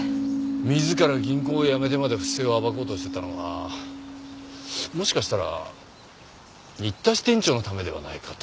自ら銀行を辞めてまで不正を暴こうとしてたのはもしかしたら新田支店長のためではないかと。